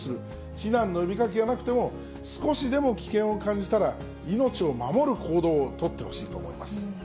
避難の呼びかけがなくても少しでも危険を感じたら、命を守る行動を取ってほしいと思います。